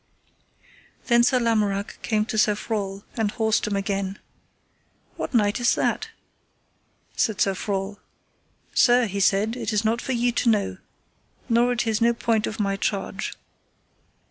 Then Sir Lamorak came to Sir Frol and horsed him again. What knight is that? said Sir Frol. Sir, he said, it is not for you to know, nor it is no point of my charge.